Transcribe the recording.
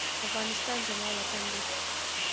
افغانستان زما وطن دی.